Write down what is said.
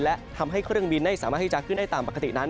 และทำให้เครื่องบินไม่สามารถที่จะขึ้นได้ตามปกตินั้น